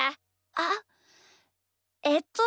あっえっと。